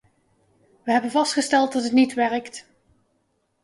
Wij hebben vastgesteld dat het niet werkt.